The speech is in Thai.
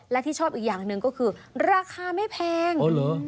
และที่ชอบอีกอย่างหนึ่งก็คือราคาไม่แพงอ๋อเหรอ